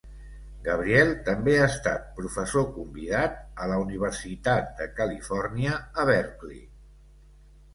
Gabriel també ha estat professor convidat a la Universitat de Califòrnia a Berkeley.